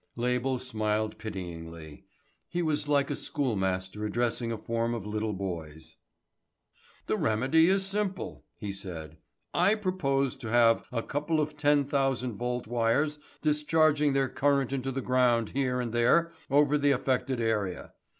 Label smiled pityingly. He was like a schoolmaster addressing a form of little boys. "The remedy is simple," he said. "I propose to have a couple of 10,000 volts wires discharging their current into the ground here and there over the affected area.